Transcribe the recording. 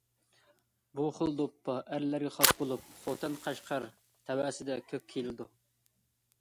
بۇ خىل دوپپا ئەرلەرگە خاس بولۇپ، خوتەن، قەشقەر تەۋەسىدە كۆپ كىيىلىدۇ.